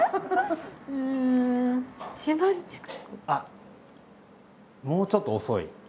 あもうちょっと遅い。